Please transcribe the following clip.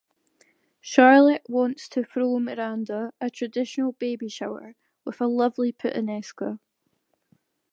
Charlotte wants to throw Miranda a traditional baby shower with a lovely 'puttanesca'.